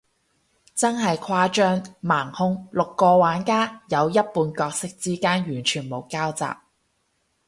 真係誇張，盲兇，六個玩家，有一半角色之間完全冇交集，